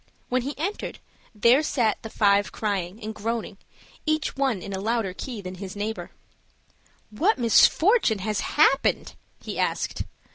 When he entered, there sat the five crying and groaning, each one in a louder key than his neighbor. "What misfortune has happened?" he asked.